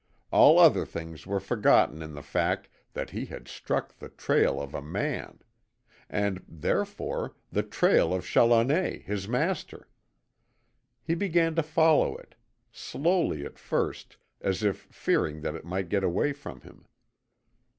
All other things were forgotten in the fact that he had struck the trail of a man AND, THEREFORE, THE TRAIL OF CHALLONER, HIS MASTER. He began to follow it slowly at first, as if fearing that it might get away from him.